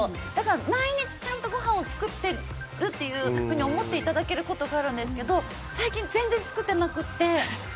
毎日ちゃんとごはんを作ってるというふうに思っていただけることがあるんですけど最近、全然作ってなくて。